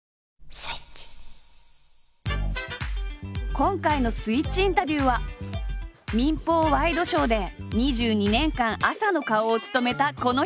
今回の「スイッチインタビュー」は民放ワイドショーで２２年間朝の顔を務めたこの人。